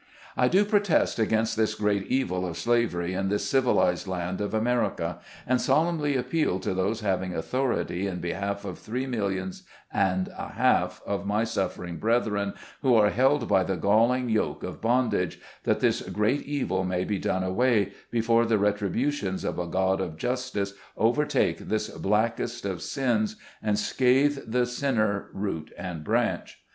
I do protest against this great evil of slavery in this civilized land of America, and solemnly appeal to those having authority in behalf of three millions and a half of my suffering brethren who are held by the galling yoke of bondage, that this great evil may be done away, before the retributions of a God of justice overtake this blackest of sins, and scathe the sinner root and branch.